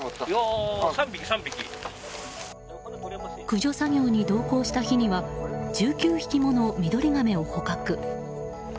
駆除作業に同行した日には１９匹ものミドリガメを捕獲。